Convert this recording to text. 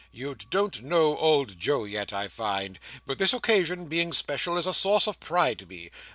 You don't know old Joe yet, I find. But this occasion, being special, is a source of pride to me.